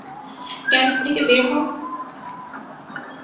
Camp থেকে বের হও!